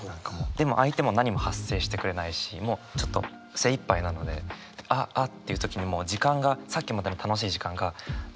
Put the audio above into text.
でも相手も何も発声してくれないしもうちょっと精いっぱいなのでああっていう的にもう時間がさっきまでの楽しい時間がぷつんと切れちゃう感じ。